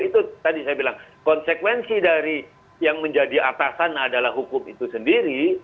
itu tadi saya bilang konsekuensi dari yang menjadi atasan adalah hukum itu sendiri